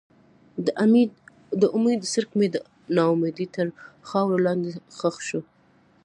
د امید څرک مې د ناامیدۍ تر خاورو لاندې ښخ شو.